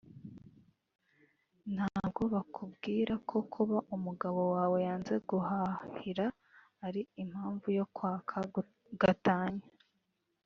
ntabwo bakubwira ko kuba umugabo wawe yanze kuguhahira ari impamvu yo kwaka gatanya